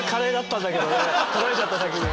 取られちゃった先に。